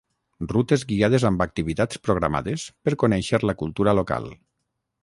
Rutes guiades amb activitats programades per conèixer la cultura local.